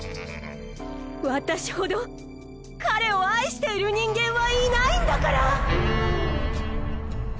私ほど彼を愛している人間はいないんだから！